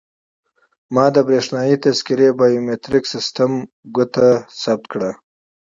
ما د بریښنایي تذکیرې بایومتریک سیستم ګوته ثبت کړه.